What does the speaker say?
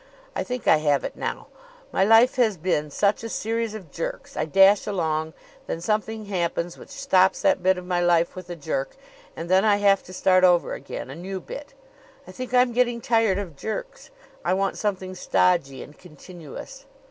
I think I have it now. My life has been such a series of jerks. I dash along then something happens which stops that bit of my life with a jerk; and then I have to start over again a new bit. I think I'm getting tired of jerks. I want something stodgy and continuous.